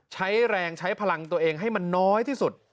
ใช้แรงใช้พลังตัวเองให้มันน้อยที่สุด